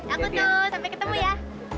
aku tuh sampai ketemu ya